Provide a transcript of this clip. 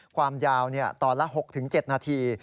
ความยาวตอนละ๖๗นาที